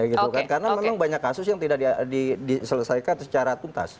karena memang banyak kasus yang tidak diselesaikan secara tuntas